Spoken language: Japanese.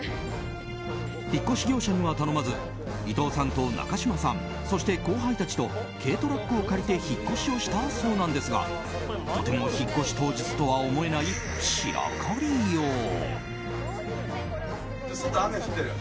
引っ越し業者には頼まず伊藤さんと中嶋さんそして後輩たちと軽トラックを借りて引っ越しをしたそうなんですがとても引っ越し当日とは思えない散らかりよう。